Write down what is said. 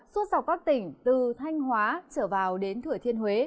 suốt dọc các tỉnh từ thanh hóa trở vào đến thừa thiên huế